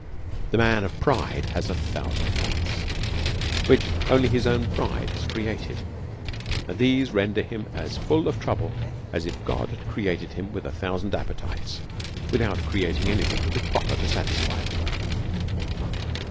The man of pride has a thousand wants, which only his own pride has created ; and these render him as full of trouble as if God had created him with a thou sand appetites, without creating any thing that was proper to satisfy them.